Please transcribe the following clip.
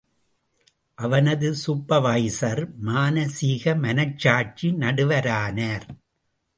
அவனது சூப்பர்வைசர் மானசீக மனசாட்சி நடுவரானார்.